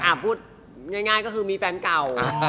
พูดง่ายก็คือมีแฟนเก่า